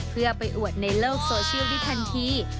เพื่อไปอวดในโลกโซเชียลได้ทันที